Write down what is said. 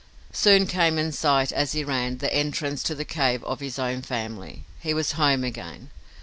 Soon came in sight, as he ran, the entrance to the cave of his own family. He was home again.